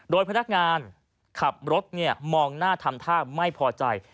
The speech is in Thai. โดยพนักงานขับรถมองหน้าทำท่าไม่พอใจ